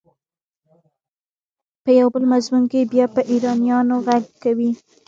په یو بل مضمون کې بیا پر ایرانیانو غږ کوي.